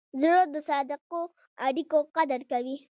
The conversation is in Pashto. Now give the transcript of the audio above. زړه د صادقو اړیکو قدر کوي.